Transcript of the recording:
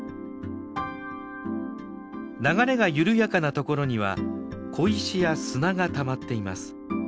流れが緩やかなところには小石や砂がたまっています。